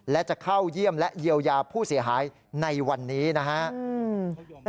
และจะเข้าเยี่ยมและเยียวยาผู้เสียหายในวันนี้นะครับ